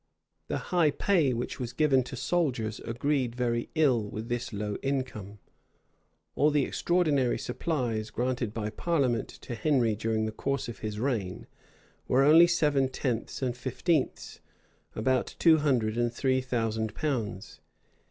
The high pay which was given to soldiers agreed very ill with this low income. All the extraordinary supplies, granted by parliament to Henry during the course of his reign, were only seven tenths and fifteenths, about two hundred and three thousand pounds.